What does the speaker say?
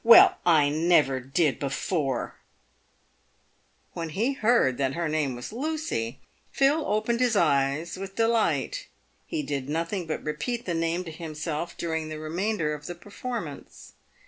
Well, I never did before !" When he heard that her name was Lucy, Phil opened his eyes with delight. He did nothing but repeat the name to himself during the remainder of the performance.